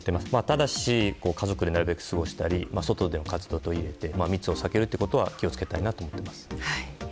ただし家族でなるべく過ごしたり外での活動を取り入れて密を避けることは気をつけたいなと思います。